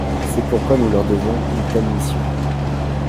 C’est pourquoi nous leur devons une telle mission.